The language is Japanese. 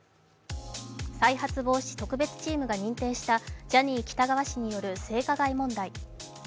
再発防止特別チームが認定したジャニー喜多川氏による性加害問題。